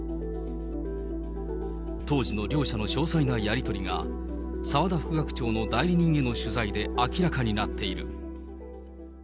当時の両者の詳細なやり取りが、澤田副学長の代理人への取材で明らかになっている。